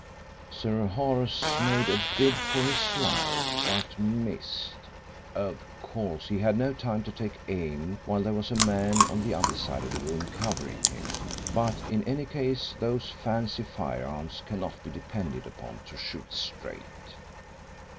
"Sir Horace made a bid for his life but missed. Of course, he had no time to take aim while there was a man on the other side of the room covering him, but in any case those fancy firearms cannot be depended upon to shoot straight."